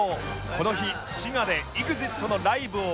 この日滋賀で ＥＸＩＴ のライブを終え